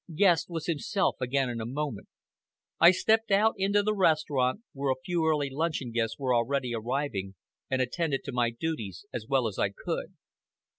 Guest was himself again in a moment. I stepped out into the restaurant, where a few early luncheon guests were already arriving, and attended to my duties as well as I could.